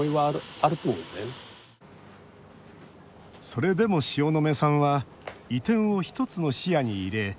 それでも塩野目さんは移転を１つの視野に入れ